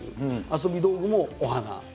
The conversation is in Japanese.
遊び道具もお花。